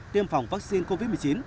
tiêm phòng vaccine covid một mươi chín